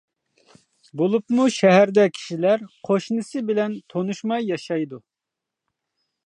بولۇپمۇ شەھەردە كىشىلەر قوشنىسى بىلەن تونۇشماي ياشايدۇ.